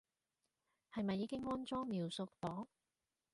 係咪已經安裝描述檔